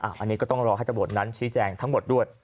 อันนี้ก็ต้องรอให้ตำรวจนั้นชี้แจงทั้งหมดด้วย